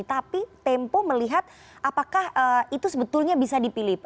tapi tempo melihat apakah itu sebetulnya bisa dipilih